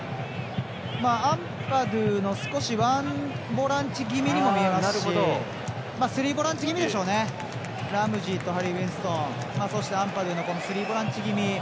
アンパドゥの少しワンボランチ気味にも見えますしスリーボランチ気味でしょうねラムジー、ハリー・ウィルソンそして、アンパドゥのスリーボランチ気味。